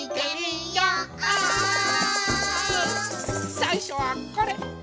さいしょはこれ！